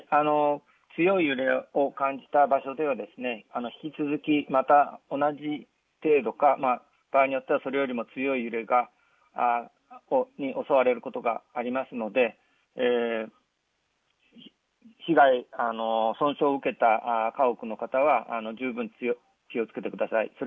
強い揺れを感じた場所では引き続き、また同じ程度か場合によってはそれよりも強い揺れが襲われることがありますので損傷を受けた家屋の方は十分、気をつけてください。